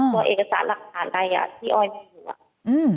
ว่าเอกสารหลักฐานอะไรหรือ